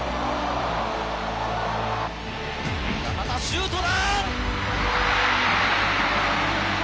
シュートだ！